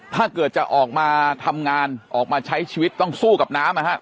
ถ้าเกิดจะออกมาทำงานออกมาใช้ชีวิตต้องสู้กับน้ำนะครับ